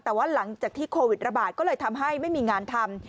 แต่ว่าหลังจากที่โควิดระบาดก็เลยทำให้ไม่มีงานทำ